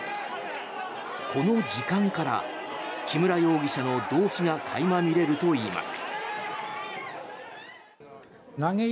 この時間から木村容疑者の動機が垣間見れるといいます。